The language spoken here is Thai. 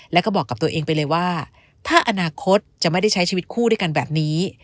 แล้วก็บอกกับตัวเองไปเลยว่าถ้าอนาคตจะไม่ได้ใช้ชีวิตคู่ด้วยกันแบบนี้